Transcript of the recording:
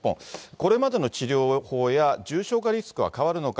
これまでの治療法や、重症化リスクは変わるのか。